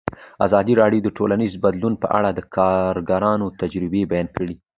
ازادي راډیو د ټولنیز بدلون په اړه د کارګرانو تجربې بیان کړي.